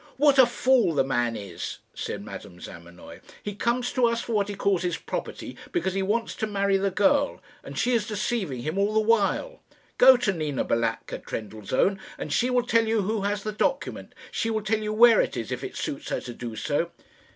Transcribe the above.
"What a fool the man is!" said Madame Zamenoy. "He comes to us for what he calls his property because he wants to marry the girl, and she is deceiving him all the while. Go to Nina Balatka, Trendellsohn, and she will tell you who has the document. She will tell you where it is, if it suits her to do so."